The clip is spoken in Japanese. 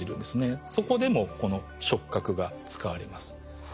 そこでもこの触角が使われます。